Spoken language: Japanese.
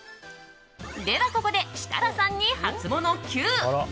ではここで設楽さんにハツモノＱ。